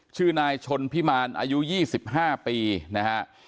ชื่อนายชนพิมารอายุ๒๕ปีนะฮะ